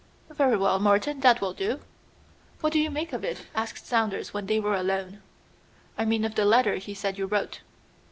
"Very well, Morton, that will do." "What do you make of it?" asked Saunders when they were alone. "I mean of the letter he said you wrote."